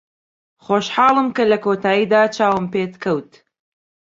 خۆشحاڵم کە لە کۆتاییدا چاوم پێت کەوت.